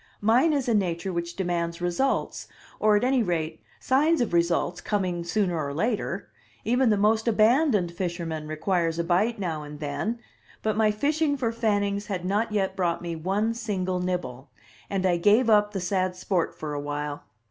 Mine is a nature which demands results, or at any rate signs of results coming sooner or later. Even the most abandoned fisherman requires a bite now and then; but my fishing for Fannings had not yet brought me one single nibble and I gave up the sad sport for a while.